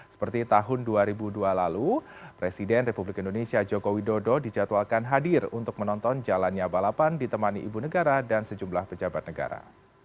seperti tahun dua ribu dua lalu presiden republik indonesia joko widodo dijadwalkan hadir untuk menonton jalannya balapan ditemani ibu negara dan sejumlah pejabat negara